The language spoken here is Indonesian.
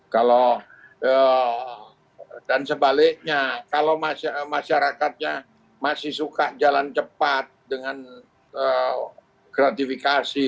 kalau dan sebaliknya kalau masyarakatnya masih suka jalan cepat dengan gratifikasi